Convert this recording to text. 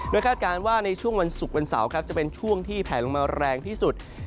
โดยคาดการณ์ว่าในช่วงวันศุกร์วันเสาร์ครับจะเป็นช่วงที่แผลลงมาแรงที่สุด